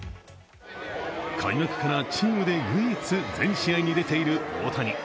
開幕からチームで唯一、全試合に出ている大谷。